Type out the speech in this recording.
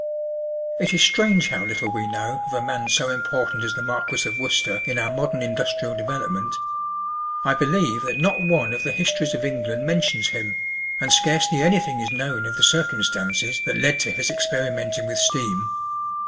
It is strange how little we know of a man so important as the Marquis of Worcester in our modern industrial development. I believe that not one of the histories of England mentions him, and scarcely anything is known of the circumstances that led to his experimenting with steam.